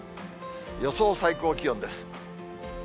予想最高気温です。